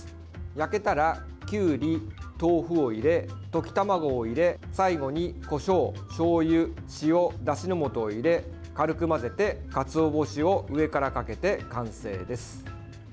焼けたらきゅうり、豆腐を入れ溶き卵を入れ最後に、こしょう、しょうゆ塩、だしのもとを入れ軽く混ぜてかつお節を上からかけて完成です。